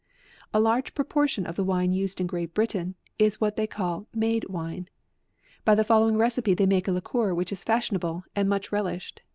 A large proportion of the wine used in Great Britain, is what they call made wine. By the following recipe they make a liquos 172 AUGUST, which is fashionable and much relished